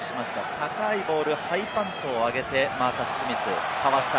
高いボール、ハイパントを上げて、マーカス・スミス、かわした。